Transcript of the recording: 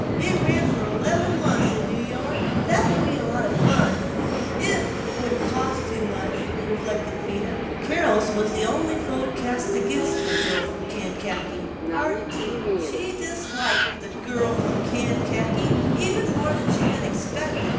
It ran for eleven months in New York!" "That would be lots of fun, if it wouldn't cost too much," reflected Vida. Carol's was the only vote cast against "The Girl from Kankakee." II She disliked "The Girl from Kankakee" even more than she had expected.